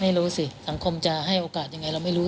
ไม่รู้สิสังคมจะให้โอกาสยังไงเราไม่รู้